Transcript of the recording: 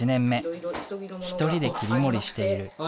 １人で切り盛りしている。